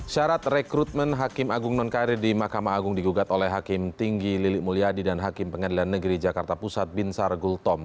syarat rekrutmen hakim agung nonkarir di mahkamah agung digugat oleh hakim tinggi lilik mulyadi dan hakim pengadilan negeri jakarta pusat binsar gultom